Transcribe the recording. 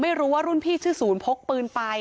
ไม่รู้ว่ารุ่นพี่ชื่อศูนย์พกปืนไป